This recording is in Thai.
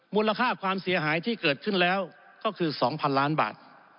มูลค่าความเสียหายที่เกิดขึ้นแล้วก็คือ๒๐๐๐ล้านบาท